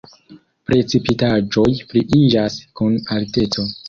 Precipitaĵoj pliiĝas kun alteco.